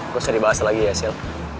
gue seri bahasa lagi ya sil